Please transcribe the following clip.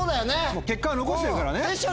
もう結果は残してるからね。